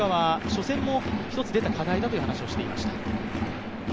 初戦も一つ出た課題だという話をしていました。